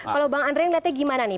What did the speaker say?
kalau bang andre melihatnya gimana nih